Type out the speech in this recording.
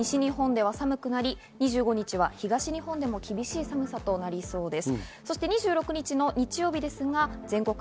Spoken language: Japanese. ２４日のクリスマスイブは西日本では寒くなり、２５日は東日本でも厳しい寒さとなりそうです。